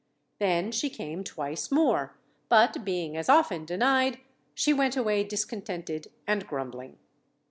Then she came twice more, but, being as often denied, she went away discontented and grumbling.